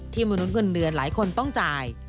มนุษย์เงินเดือนหลายคนต้องจ่าย